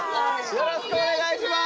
よろしくお願いします！